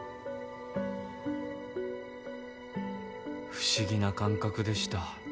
不思議な感覚でした。